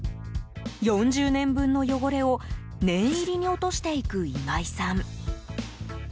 ４０年分の汚れを念入りに落としていく今井さん。